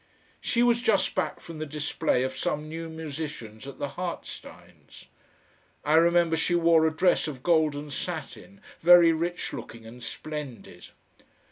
She was just back from the display of some new musicians at the Hartsteins. I remember she wore a dress of golden satin, very rich looking and splendid.